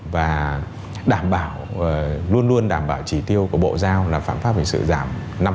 và đảm bảo luôn luôn đảm bảo trí tiêu của bộ giao là phạm pháp hình sự giảm năm